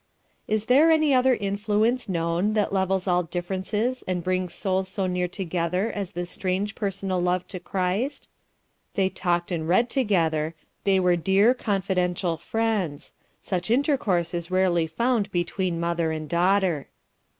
Is there any other influence known that levels all differences and brings souls so near together as this strange personal love to Christ? They talked and read together, they were dear, confidential friends such intercourse is rarely found between mother and daughter.